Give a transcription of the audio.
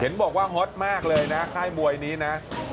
บอกว่าฮอตมากเลยนะค่ายมวยนี้นะ